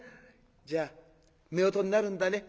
じゃあ夫婦になるんだね。